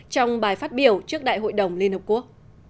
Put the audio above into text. trong bài phát biểu trước đại hội đồng liên hợp quốc